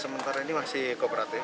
sementara ini masih berlangsung